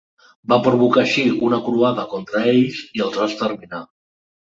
Va provocar així una croada contra ells i els va exterminar.